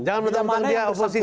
jangan menentang dia oposisi dia